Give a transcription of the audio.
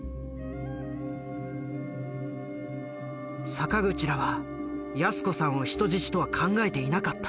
坂口らは泰子さんを人質とは考えていなかった。